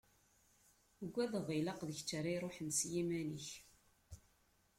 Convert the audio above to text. Ugadeɣ ilaq d kečč ara iruḥen s yiman-ik.